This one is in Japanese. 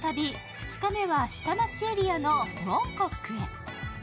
２日目は下町エリアのモンコックへ。